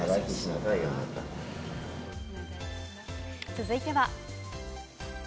続いては。